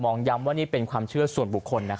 มองยำว่าเป็นคำเชื่อส่วนบุคคล